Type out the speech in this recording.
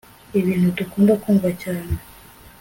ibintu dukunda kumva cyane